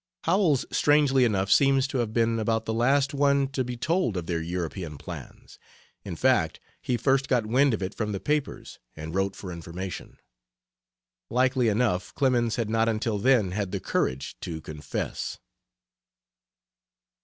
Howells, strangely enough, seems to have been about the last one to be told of their European plans; in fact, he first got wind of it from the papers, and wrote for information. Likely enough Clemens had not until then had the courage to confess.